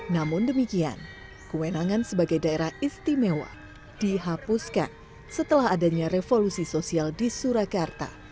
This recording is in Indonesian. namun demikian kewenangan sebagai daerah istimewa dihapuskan setelah adanya revolusi sosial di surakarta